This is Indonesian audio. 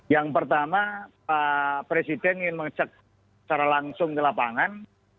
yang pertama pak presiden ingin mengecek secara langsung ke lapangan